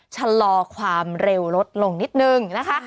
ชะลอความเร็วลดลงนิดนึงนะคะ